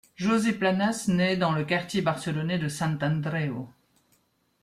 José Planas naît dans le quartier barcelonais de Sant Andreu.